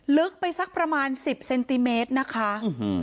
ลึกไปสักประมาณสิบเซนติเมตรนะคะ